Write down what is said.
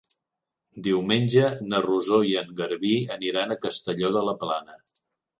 Diumenge na Rosó i en Garbí aniran a Castelló de la Plana.